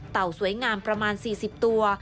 สวยงามประมาณ๔๐ตัว